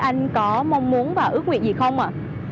anh có mong muốn và ước nguyện gì không ạ